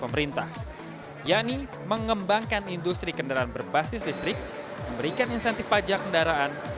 pemerintah yaitu mengembangkan industri kendaraan berbasis listrik memberikan insentif pajak kendaraan